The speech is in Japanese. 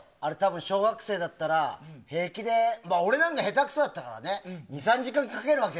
小学生だったら俺なんかへたくそだったから２３時間かけるわけ。